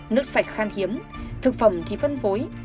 nước sạch khan hiếm thực phẩm thì phân phối